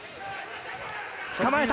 捕まえた。